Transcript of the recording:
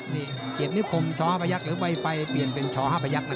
นี่เกดนิคมช๕พยักษ์เรียกว่าไว้ไฟเปลี่ยนเป็นช๕พยักษ์ทรง